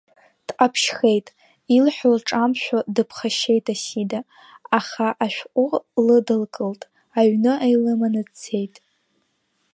Дҟаԥшьхеит, илҳәо лҿамшәо дыԥхашьеит Асида, аха ашәҟәы лыдылкылт, аҩныҟа илыманы дцеит.